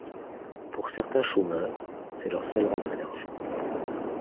Pour certains chômeurs c'est leur seule rentrée d'argent.